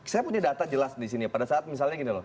saya punya data jelas disini pada saat misalnya gini loh